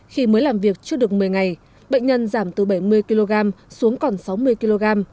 khi mới làm việc chưa được một mươi ngày bệnh nhân giảm từ bảy mươi kg xuống còn sáu mươi kg